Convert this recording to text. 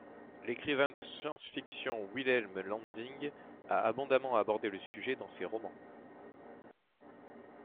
L'écrivain de science-fiction Wilhelm Landig a abondamment abordé le sujet dans ses romans.